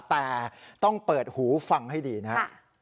แต่ต้องเปิดหูฟังให้ดีนะครับ